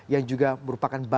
yang juga merupakan balas